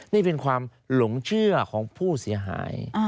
นี่เป็นความหลงเชื่อของผู้เสียหาย